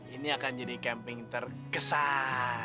ini akan jadi camping terkesan